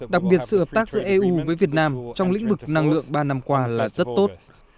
đặc biệt sự hợp tác giữa eu với việt nam trong lĩnh vực năng lượng ba năm qua là rất tốt